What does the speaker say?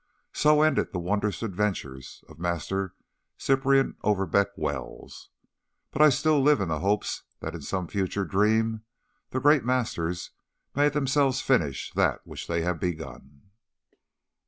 So ended the wondrous adventures of Master Cyprian Overbeck Wells, but I still live in the hopes that in some future dream the great masters may themselves finish that which they have begun.